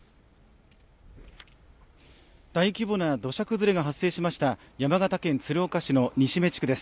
大規模な土砂崩れが発生しました山形県鶴岡市の西目地区です。